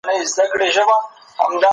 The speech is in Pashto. د ژوند بدلونونه کله ناڅاپي وي.